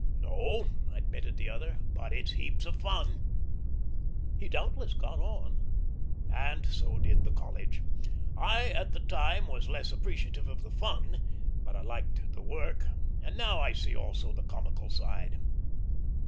"No," admitted the other, "but it's heaps of fun." He doubtless got on, and so did the College. I at the time was less appreciative of the fun, but I liked the work, and now I see also the comical side.